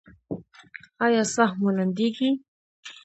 ایا ساه مو لنډیږي؟